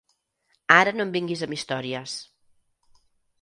Ara no em vinguis amb històries.